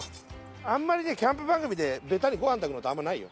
んまりねキャンプ番組でベタにご飯炊くのってあんま無いよ。